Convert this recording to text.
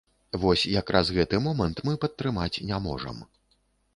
Вось як раз гэты момант мы падтрымаць не можам.